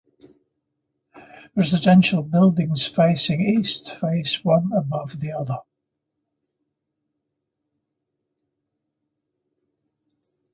Residential buildings facing east face one above the other.